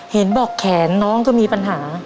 เห็นบอกแขนน้องก็มีปัญหา